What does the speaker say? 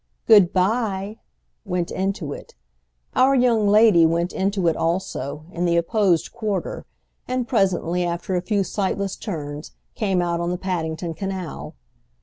"Good bye!" went into it. Our young lady went into it also, in the opposed quarter, and presently, after a few sightless turns, came out on the Paddington canal.